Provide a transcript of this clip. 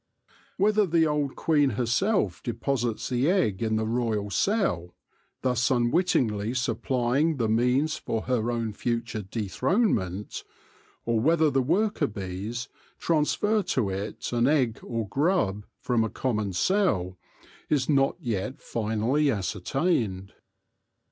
Whether the old queen herself deposits the egg in the royal cell — thus un wittingly supplying the means for her own future dethronement — or whether the worker bees transfer to it an egg or grub from a common cell, is not yet finally ascertained.